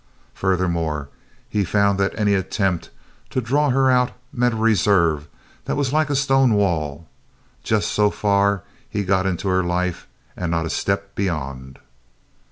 Furthermore, he found that any attempt to draw her out met a reserve that was like a stone wall just so far he got into her life and not a step beyond.